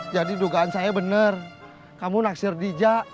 jadi dugaan saya bener kamu naksir dija